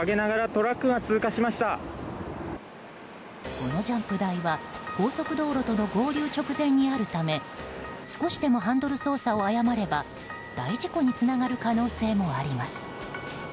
このジャンプ台は高速道路との合流直前にあるため少しでもハンドル操作を誤れば大事故につながる可能性もあります。